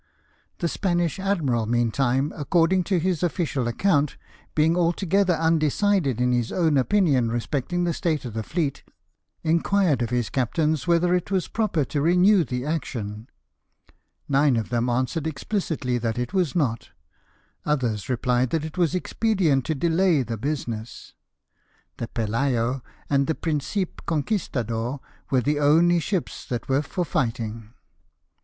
The Spanish admiral meantime, according to his official account, being altogether BATTLE OF CAPE ST. VINCENT. 109 undecided in his own opinion respecting the state of the fleet, inquired of his captains whether it was proper to renew the action: nine of them answered expHcitly that it was not ; others rephed that it was expedient to delay the business. The Pelayo and the Principe Conquistador were the only ships that were for fighting.